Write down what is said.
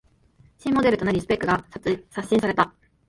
新モデルとなりスペックが刷新された